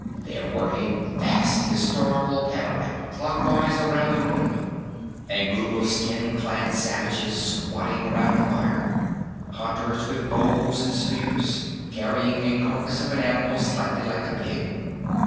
They were a vast historical panorama, clockwise around the room. A group of skin clad savages squatting around a fire. Hunters with bows and spears, carrying a carcass of an animal slightly like a pig.